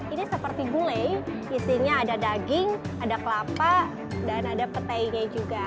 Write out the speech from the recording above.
ini seperti gulai isinya ada daging ada kelapa dan ada petainya juga